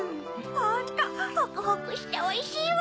ホントホクホクしておいしいわ。